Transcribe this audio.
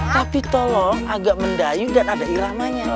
tapi tolong agak mendayu dan ada iramanya